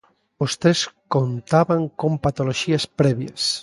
Os tres contaban con patoloxías previas.